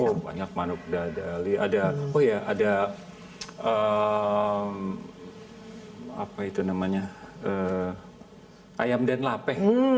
oh banyak manuk dadali ada oh ya ada apa itu namanya ayam denlape